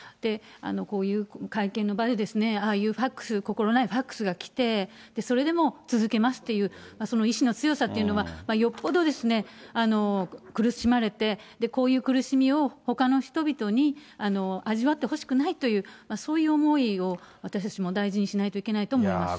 こういう会見の場で、ああいうファックス、心無いファックスが来て、それでも続けますという、その意思の強さっていうのは、よっぽど苦しまれて、こういう苦しみをほかの人々に味わってほしくないという、そういう思いを、私たちも大事にしないといけないと思います。